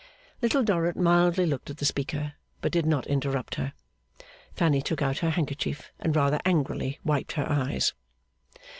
Little Dorrit mildly looked at the speaker, but did not interrupt her. Fanny took out her handkerchief, and rather angrily wiped her eyes.